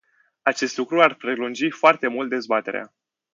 Acest lucru ar prelungi foarte mult dezbaterea.